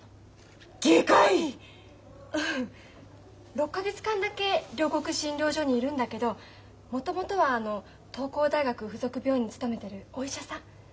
６か月間だけ両国診療所にいるんだけどもともとは東光大学付属病院に勤めてるお医者さん。